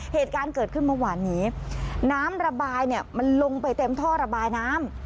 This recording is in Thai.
เหตุการณ์เกิดขึ้นเมื่อวานนี้น้ำระบายเนี่ยมันลงไปเต็มท่อระบายน้ำ